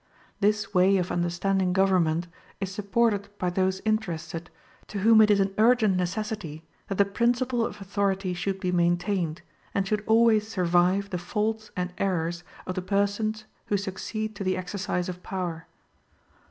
This way of understanding government is supported by those interested, to whom it is an urgent necessity that the principle of authority should be maintained, and should always survive the faults and errors of the persons who succeed to the exercise of power.